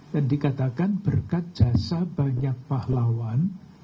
dikatakan berkat jasa banyak pahlawan